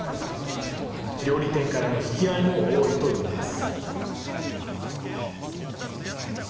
料理店からの引き合いも多いといいます。